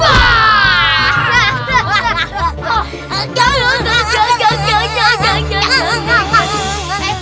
jangan jangan jangan jangan jangan jangan jangan jangan